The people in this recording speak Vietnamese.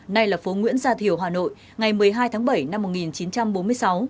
nay là phố nguyễn gia thiều hà nội ngày một mươi hai tháng bảy năm một nghìn chín trăm bốn mươi sáu